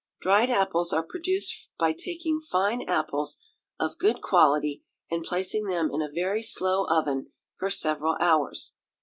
Dried apples are produced by taking fine apples of good quality, and placing them in a very slow oven for several hours.